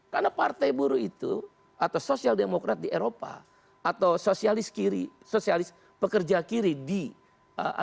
karena partai buruh itu atau sosial demokrat di eropa atau sosialis kiri sosialis pekerja kiri di amerika latina